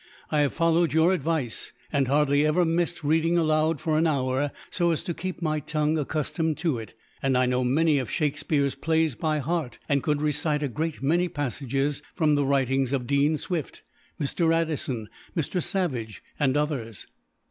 "I have followed your advice, and hardly ever missed reading aloud for an hour, so as to keep my tongue accustomed to it; and I know many of Shakespeare's plays by heart, and could recite a great many passages from the writings of Dean Swift, Mr. Addison, Mr. Savage, and others."